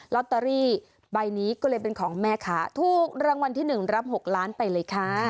ลอตเตอรี่ใบนี้ก็เลยเป็นของแม่ค้าถูกรางวัลที่๑รับ๖ล้านไปเลยค่ะ